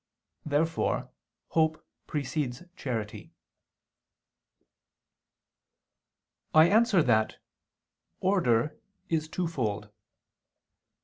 Therefore hope precedes charity. I answer that, Order is twofold.